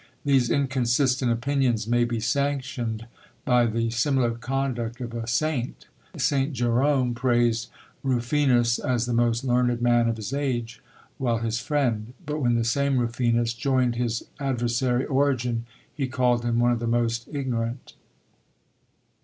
These inconsistent opinions may be sanctioned by the similar conduct of a Saint! St. Jerome praised Rufinus as the most learned man of his age, while his friend; but when the same Rufinus joined his adversary Origen, he called him one of the most ignorant!